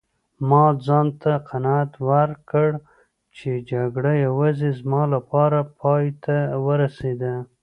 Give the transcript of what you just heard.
ما ځانته قناعت ورکړ چي جګړه یوازې زما لپاره پایته ورسیده.